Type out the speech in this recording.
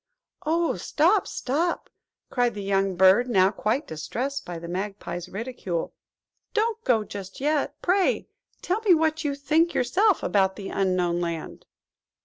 "Oh, stop, stop!" cried the young bird, now quite distressed by the Magpie's ridicule; "don't go just yet, pray. Tell me what you think yourself about the Unknown Land."